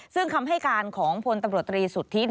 ซึ่งคำให้การของพลตำรวจตรีสุทธิ